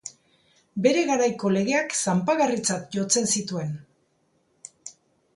Bere garaiko legeak zanpagarritzat jotzen zituen.